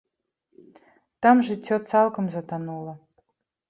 Там жыццё цалкам затанула.